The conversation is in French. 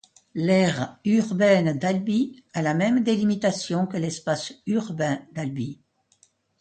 L’aire urbaine d'Albi a la même délimitation que l’espace urbain d'Albi.